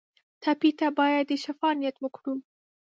ټپي ته باید د شفا نیت وکړو.